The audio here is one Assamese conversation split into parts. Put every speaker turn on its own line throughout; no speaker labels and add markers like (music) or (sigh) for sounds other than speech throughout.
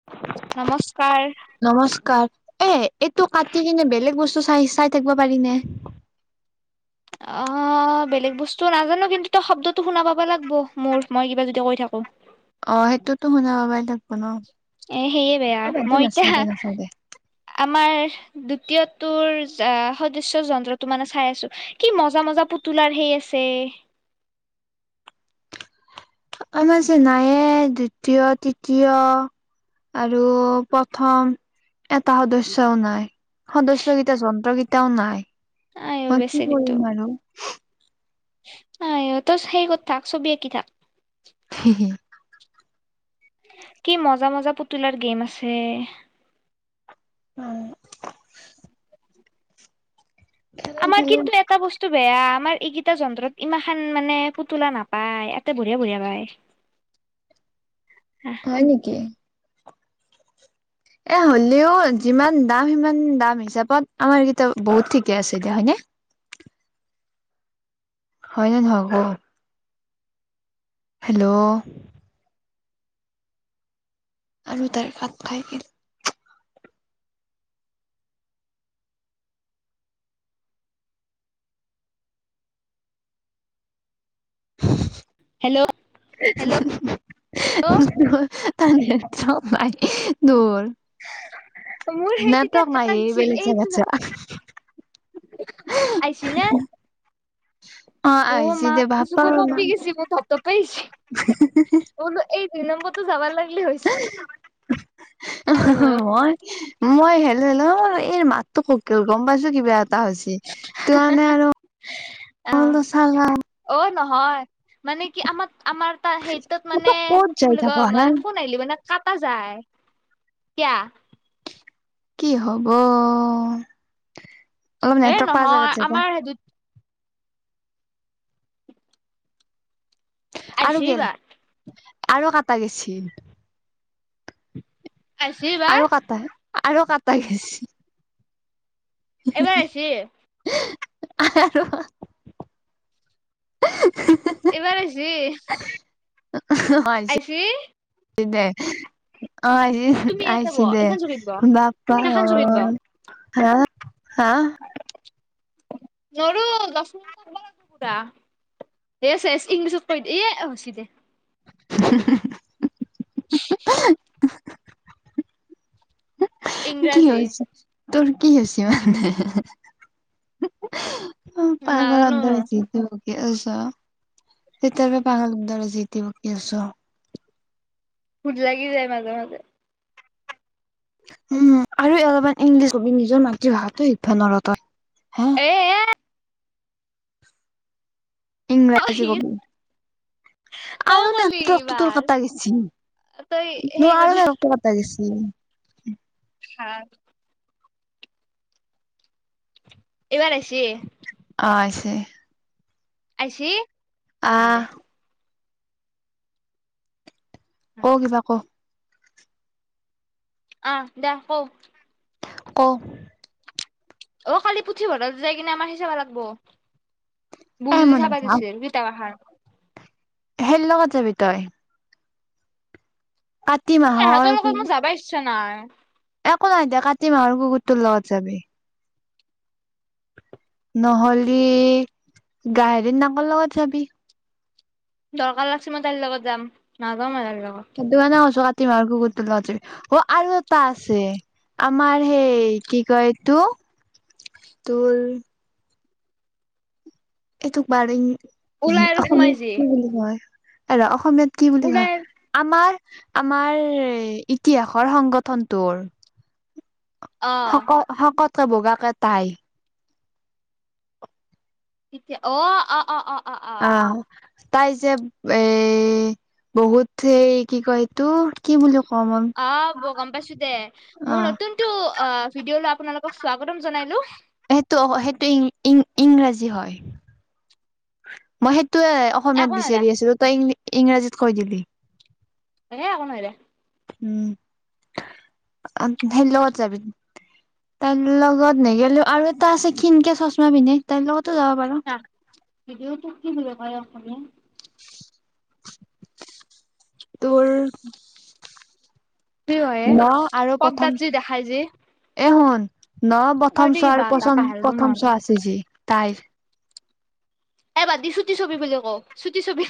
(inaudible)
নমস্কাৰ।
নমস্কাৰ এ, এটো, কাটি কিনে, বেলেগ বস্তু চাই, চাই থাকিব পাৰিনে।
অ', বেলেগ বস্তু নাজানো কিন্তু, তই শব্দ টো শুনা পাবা লাগব মোৰ, মই কিবা যদি কয় থাকো।
অ', সেইটোতো শুনা পাবা
এ, সেয় বেয়া, মই
নাচাও
এতিয়া
দে নাচাও দে
আমাৰ দ্বিতীয়টোৰ সদৃশ্য যন্ত্ৰটো মানে চাই আছো। কি মজা, মজা পুতলাৰ সেই আছে।
আমাৰ যে নাইয়ে দ্বিতীয়, তৃতীয়। আৰু প্ৰথম। এটা সদস্যও নাই, সদস্য কেইটা যন্ত্ৰ কিটাও নাই।
আই অ
মই কি
বেচেৰিটো
কৰিম বাৰু।
অ', নাইও টো সেই কৰি থাক, ছবি আকি থাক।
হেহে।
কি মজা, মজা পুতুলাৰ গেম আছে।
অ'। খেলো
আমাৰ
খেলো
কিন্তু এটা বস্তু বেয়া, আমাৰ এইকিটা যন্ত্ৰত ইমান মানে পুতলা নাপায়, এটাত বঢ়িয়া, বঢ়িয়া পায়। (inaudible)
হয় নেকি। এ', হ'লেও, যিমান দাম, সিমান দাম হিচাপত, আমাৰ কেইটা বহুত ঠিকে আছে দে হয়নে। হয় নে নহয় ক। হেল্ল'। আৰু তাৰ ভাত খাই কি (unintelligible)
হেল্ল'। হেল্ল'
(unintelligible)
মোৰ হেই তেতিয়া
নেটৱৰ্ক নাইয়ে
এটাগিচি
বেলেগ জেগাত
এ
যা
আহিছিলে।
অ
ও
আহিছি
মা,
দে বাপা
বুকু-চোকু কপি গৈছে, ধপ-ধপাই আহিচি। মই বোলো, এই দুই নম্বৰটো যাবা লাগিলে হৈছে। আৰু মোৰ
(inaudible) মই হেল্ল', হেল্ল', এ মাততো কক গ'ম পাইছোঁ কিবা এটা হৈছে। সেই টো কাৰণে আৰু
অ
চালা
অ', নহয় মানে কি আমাৰ আমাৰ তাৰ সেইটোত মানে
ক'ত
কি
যাই
বুলি
থাক
কয়
হা
মানে ফোন নাহিলি মানে কাটা যায় কিয়া
কি হ'ব অলপ
এ
নেটৱৰ্ক পোৱা
নহয়
জেগাত (unintelligible)
(unintelligible) আইছি
আৰু গেল
এইবাৰ
আৰু কাটা গেছি।
আইছি। এইবাৰ
আৰু কাটা আৰু কাটা গেছি।
এইবাৰ আইছি।
আৰু।
এইবাৰ আহিছি।
অ', আহিছি (unintelligible) দে
তুমি ইয়াতে
আহিছি
বহ
দে
এইখন চকীত বহ
বাপ্পা ঐ
সেইখন চকীত বহ
হা হা
নৰো (unintelligible) ইয়ে চেচ (unintelligible) ইংলিছত কৈ দে এ হৈছে দে
(inaudible)
(inaudible)
কি
ইংৰাজী
হৈ আছে তোৰ কি হৈছি মানে। উম পাগলৰ
নাজানো
দৰে (unintelligible) বকি আছ তেতিয়াৰ পৰা পাগলৰ দৰে যিতি বকি আছ।
ভুল লাগি যায় মাজে, মাজে।
উম আৰু অলপমান ইংলিছ কবি নিজৰ মাতৃভাষাটো শিকিবা নৰ তই হে।
(unintelligible)
ইংৰাজী কব
তই
আৰু
কলি
নেটৱৰ্কটো তোৰ
এইবাৰ।
কাটা গেছি।
তই সেই কৰি
(unintelligible) কাটা গেছি।
হা। এইবাৰ আইছি।
অ', আইছে।
আইছি?
আ। কো কিবা কো।
অ', দা কও
কো।
অ', কালি পুথিভঁৰাল যাই কিনে আমাৰ সেই চাবা লাগিব
এ
বুুলি
মই
চাবা
নাযাও
দিছিল কিতাপ এখন।
(unintelligible) সেই লগত যাবি তই। কাতি মাহৰ
এহঁতৰ লগত মোৰ যাবা ইচ্ছা নাই।
একো নাই দে কাতি মাহৰ কুকুৰটোৰ লগত যাবি। নহলি গাহৰি নাকৰ লগত যাবি।
দৰকাৰ লাগছে মই তাইৰ লগত যাম নাযাওঁ মই তাইৰ লগত।
সেইটো কাৰণে কৈছোঁ কাতিমাহৰ কুকুৰটোৰ লগত যাবি অ', আৰু এটা আছে। আমাৰ সেই কি কয় এইটো তোৰ এইটোক বা আৰু
ওলাই আৰু
(unintelligible)
সোমাই যি
অসমীয়াত কি বুলি কয়। এ ৰ' অসমীয়াত কি বুলি কয়,
ওলাই
আমাৰ আমাৰ ইতিহাসৰ সংগঠনটোৰ
অ
শকত, শকতকে বগাকে তাই।
এতিয়া অ', অ', অ', অ'।
অ', তাই যে, এ বহুত সেই কি কয় এইতো কি বুলি কম (unintelligible)
আহ, বৌ গম পাইছোঁ দে, মোৰ নতুন এইটো অ' ভিডিঅ' লৈ আপোনালোকক স্বাগতম জনাইলো।
সেইটো, সেইটো ই ইং ইংৰাজী হ'য়। মই সেইটোৱে অসমীয়াত
একো নাই দে
বিচাৰি আছিলো, তই ইং ইংৰাজীত কয় দিলি।
এ একো নহয় দে।
উম, (unintelligible) সেই লগত যাবি? তাইৰ লগত নেগেলিওঁ, আৰু এটা আছে ক্ষীনকে চশমা পিন্ধে, তাইৰ লগতো যাব পাৰো।
ভিডিঅ' তোক কি বুলি কয় এ অসমীয়াত?
তোৰ
কি হয়ে,
ন আৰু প্ৰথম
পৰ্দাত যি দেখাই যি।
এ শুন, ন প্ৰথম চ‌
কিবা
আৰু
এটা পাহৰিলো মই।
প্ৰথম চোৱা আছে যি তাই।
এ বাদি চুটি ছবি বুলি কওঁ, চুটি ছবি,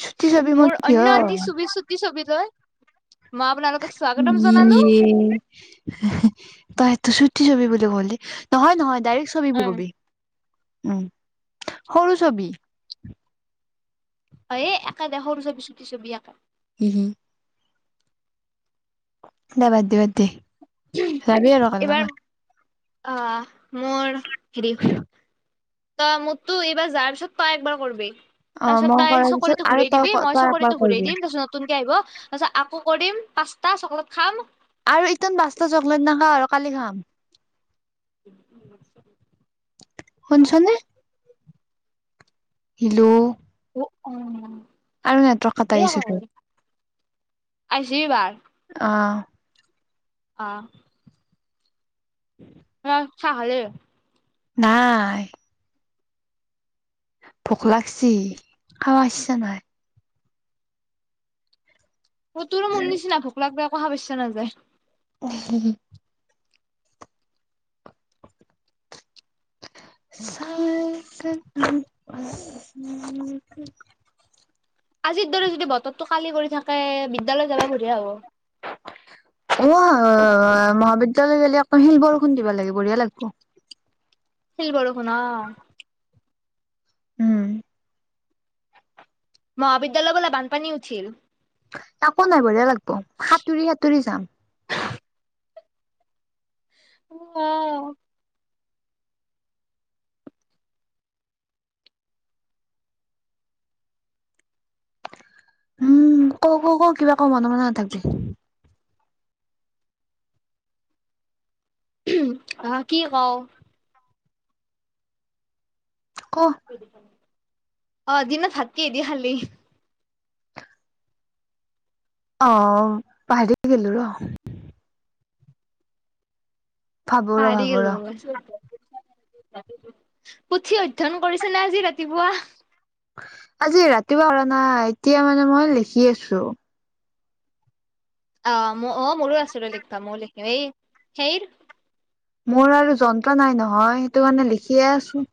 চুটি ছবি মই
মোৰ
কিয়
অন্য এটি ছবি চু চুটি ছবিলৈ, মই আপোনালোকক স্বগতম জনালো।
উম। তই সেতো চুটি ছবি বুলি কলি, নহ'য় নহ'য় ডাইৰেক্ ছবি বুলি
উম
কবি। উম, সৰু ছবি।
অ', এ একে দে সৰু চবি, চুটি চবি একে।
উম। দে বাদ দি, বাদ দি, যাবি আৰু কাৰ লগত।
অ' মোৰ হেৰি ত' মোকতো এইবাৰ যাৰ পিছত তই একবাৰ কৰিবি।
অ
তাৰপিছত
মই
তাই
কৰাৰ পিছত
চকৰিতো
আৰু
ঘূৰাই
তই
দিবি, মই
তই একবাৰ
চকৰিতো ঘূৰাই
কৰিবি
দিম, তাৰপিছত নতুনকে আহিব, তাৰপিছত আকৌ কৰিম, পাঁচটা চকলেট খাম
আৰু ইতান পাঁচটা চকলেট নাখাওঁ আৰু কালি খাম।
(inaudible)
শুনছনে? হেল্ল'।
উ অ',
কটা
এ একো
গৈছেতো
নহয় আৰু, আহিছি এবাৰ?
অ'।
অ'।
(inaudible)
অ', চাহ খালি?
নাই। ভোক লাগচি, খাবা ইচ্ছা নাই।
অ', তোৰো মোৰ নিচিনা, ভোক লাগলি একো খাবা ইচ্ছা নাযায়।
(unintelligible) (inaudible)
আজিৰ দৰে যদি বতৰটো কালি কৰি থাকে, বিদ্যালয় যাবা বঢ়িয়া হ'ব।
অ' মহাবিদ্যালয় গলি আকৌ শিল বৰষুণ দিবা লাগে, বঢ়িয়া লাগিব।
শিল বৰষুণ অ
উম্।
মহাবিদ্যালয় বোলে বানপানী উঠিল।
একো নাই বঢ়িয়া লাগব সাঁতুৰি সাঁতুৰি যাম।
অ।
উম ক, ক, ক, কিবা ক মনে মনে নাথাকিবি।
আহ কি কওঁ।
ক'
অ' দিনত ভাত কিহেদি খালি?
অ' পাহৰি গেলো ৰ। ভাবো ৰ
পাহৰি
ভাবো ৰ
গলো ৰচোন। পুথি অধ্যয়ন কৰিছে নে আজি ৰাতিপুৱা।
আজি ৰাতিপুৱা অৰা নাই এতিয়া মানে মই লিখি আছো।
অ, ম, অ, মোৰো আছিলো ৰ লিখিবা ময়ো লিখিম এই সেইৰ
মোৰ আৰু যন্ত্ৰ নাই নহয়, সেইটো কাৰানে লিখিয়ে আছো।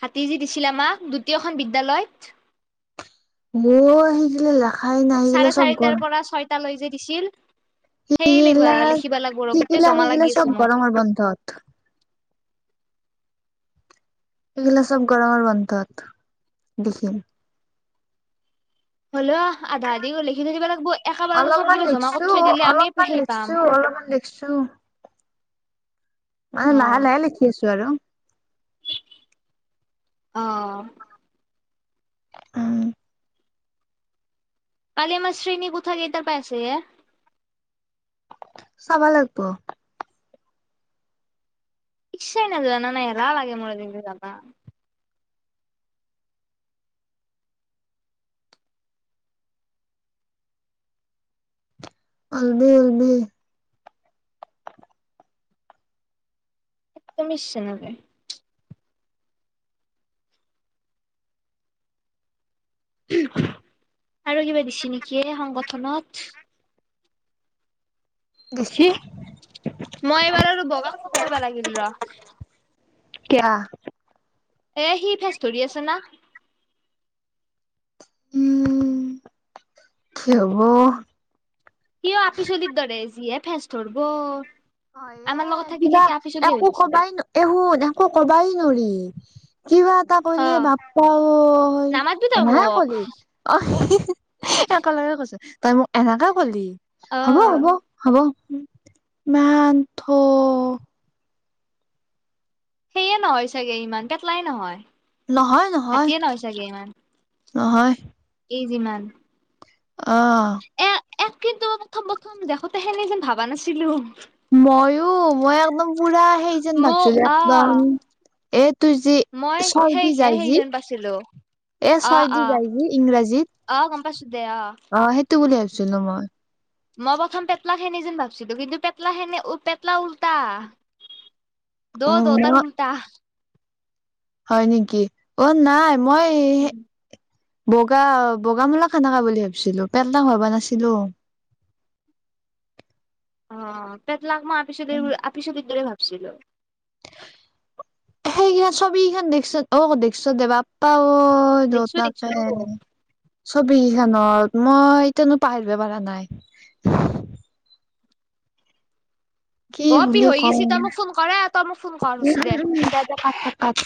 হাতীজী দিছিলে আমাক দ্বিতীয়খন বিদ্যায়ালয়ত।
অ, আহি গিলে লাখাই নাহি গিলে চব গৰ
লৈ যে দিছিল সেই লাখিবা,
সেইগিলা
লিখিবা লাগিব ৰ গোটেই জমা লাগি আছে মোৰ
ৰ, বন্ধত। এইগিলা চব গৰমৰ বন্ধত দেখি
হ'ল আধা আদি গ' লিখি থ যিবিলাক
অলপমান লিকছো, অলপমান
সেই পাম
লিকছো অলপমান। (unintelligible) মানে লাহে, লাহে লিখি আছো আৰু।
অহ।
উম
আালি মছ্ৰী ন, কুথা গেইটা পেছে হ
চাব লাগিব।
শশাইনদ নানয়ৰা লাগে মোৰ দিছলা।
আলনে, আলনে
(unintelligible) আৰু কিবা দিছে নেকি সংগঠনত।
গেছি
মই এবাৰ আৰু বগা, চগ কৰিবা লাগিল ৰ।
কিয়
এ, সি ভেজ ধৰি আছে না।
উম, কি হ'ব।
সিয় আপি চলিত ধৰে যিহে ফেচ ধৰব।
অ,
আমাৰ
এ,
লগত থাকি
কিবা
থাকি আপিচলি হৈ
একো
গৈছিলি
কবাই ন। একো কবাই নোৱাৰি। কিবা এটা
অ
কলে বাপ, পা,
নামাতবি তই
এনে
মোক
কলে। অ, একেলগে কৈছ, তই মোক এনেকে কলি
অ
হ'ব, হ'ব। হ'ব। মোনথ
সেয়ে নহয় চাগে, ইমান পেটলাই নহয়।
নহয়, নহয়, নহয়।
এই যিমান
অ'।
এ, এক কিন্তু প্ৰথম প্ৰথম দেখোতে সেনেখিনি ভাবা নাছিলো।
ময়ো মই একদম পুৰা সেই যেন ভাবছো
মোক
যে
অ
একদম। এ, তোৰ যি
মই
চৰ্দি
সেইহে
যাই
সেই
যি
যেন পাইছিলো
এ,
অ
ছয় দি
অ
যায় যি ইংৰাজীত
অ, গম পাইছো দে অ
অ, সেইটো বুলি ভাবিছিলো মই।
মই প্ৰথম পেটলা খেনি যেন ভাবছিলো কিন্তু পেটলাখেনে, পেটলা উল্টা দৌ,
উম
দৌতাৰ উল্টা।
হয়, নিকি অ, নাই, মই এ সে বগা, বগা মূলা খানাকা বুলি ভাবছিলো পেল ডাঙৰ বুলি ভাবা নাছলো।
অ, পেটলাক, মই আপিছলি, আপিছলি দৰে ভাবছিলো।
সেইকেই ছবিখন দেখছোন অ, দেখছো দে বাপ্পা ঐ দৌ,
দেখছো দেখছো
দৌতাকে। ছবিকিখনত মই এতানৈ পাহৰিব পাৰা নাই। কি
অ পি
বুলি
হৈ
কঙ
গৈছি
উম
তই মোক ফোন কৰা তই মোক ফোন কৰ
উম
হৈছে
উম দে দে কাট কাট কাট